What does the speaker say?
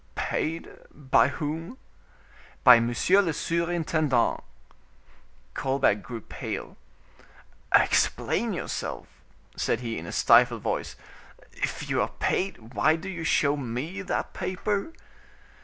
"Paid, by whom?" "By monsieur le surintendant." Colbert grew pale. "Explain yourself," said he, in a stifled voice—"if you are paid why do you show me that paper?"